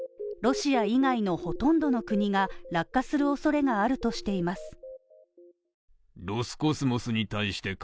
ロシア以外のほとんどの国が落下するおそれがあるとしています。